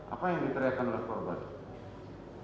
apa yang diteriakan oleh korban